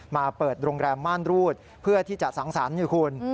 มาเปิดโรงแรมม่านรูดเพื่อที่จะสังสรรค์อยู่คุณ